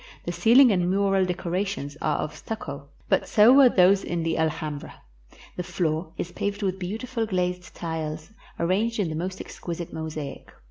The ceiling and mural decorations are of stucco, but so were those in the Al hambra. The floor is paved with beautiful glazed tiles, arranged in the most exquisite mosaic.